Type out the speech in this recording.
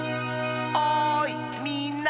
おいみんな！